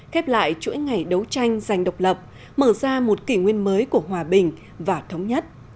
khép lại chuỗi ngày đấu tranh giành độc lập mở ra một kỷ nguyên mới của hòa bình và thống nhất